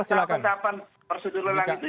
prosedur lelang itu menurut saya biasa saja